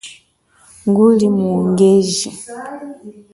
Nguli mu ungeji.